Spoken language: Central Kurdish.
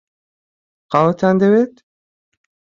قاوەتان دەوێت؟